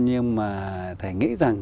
nhưng mà thầy nghĩ rằng